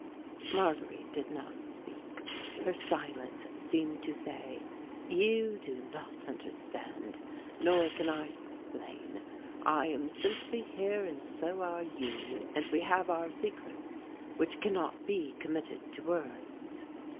Marguerite did not speak; her silence seemed to say: "You do not understand, nor can I explain I am simply here and so are you, and we have our secrets which cannot be committed to words."